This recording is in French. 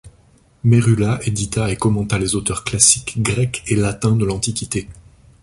Merula édita et commenta les auteurs classiques grecs et latins de l'Antiquité.